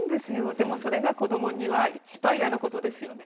でもそれが子どもには一番嫌なことですよね。